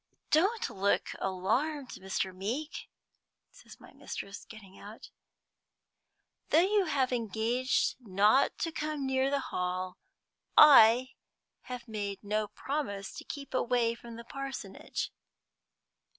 "Don't look alarmed, Mr. Meeke," says my mistress, getting out. "Though you have engaged not to come near the Hall, I have made no promise to keep away from the parsonage."